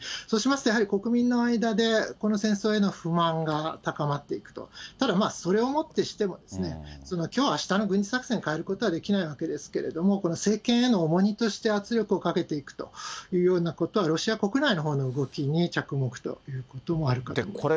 そうしますとやはり、国民の間で、この戦争への不満が高まっていくと、ただそれをもってしても、きょう、あしたの軍事作戦を変えることはできないわけですけれども、この政権への重荷としての圧力をかけていくというようなことは、ロシア国内のほうの動きに着目ということもあるかと思います。